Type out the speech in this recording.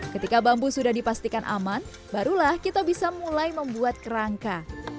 ketika bambu sudah dipastikan aman barulah kita bisa mulai membuat kerangka